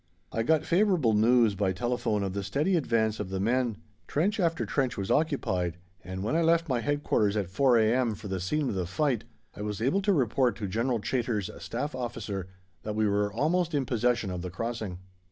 I got favourable news by telephone of the steady advance of the men; trench after trench was occupied, and when I left my Headquarters at 4 a.m. for the scene of the fight, I was able to report to General Chaytor's Staff Officer that we were almost in possession of the crossing.